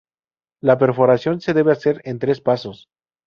La perforación se debe hacer en tres pasos.